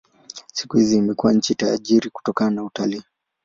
Siku hizi imekuwa nchi tajiri kutokana na utalii.